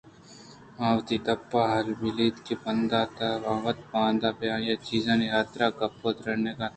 آوتی دپ ءَ بِلّیت کہ بند اِنت ءُآوت باندا پہ اے چیزانی حاترا گپ ءُ ترٛانئے کنت